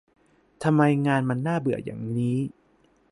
ทำไมงานมันน่าเบื่ออย่างนี้